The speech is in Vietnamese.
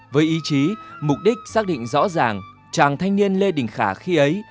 với ý chí mục đích xác định rõ ràng chàng thanh niên lê đình khả khi ấy